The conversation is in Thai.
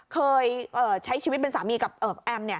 เคยใช้ชีวิตเป็นสามีกับแอม